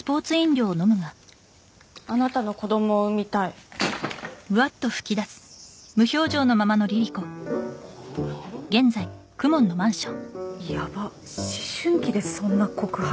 あなたの子どもを産みたいやばっ思春期でそんな告白？